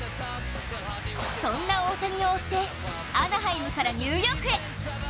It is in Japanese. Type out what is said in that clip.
そんな大谷を追って、アナハイムからニューヨークへ。